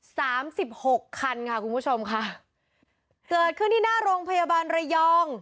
สามสิบหกคันค่ะคุณผู้ชมค่ะเกิดขึ้นที่หน้าโรงพยาบาลระยอง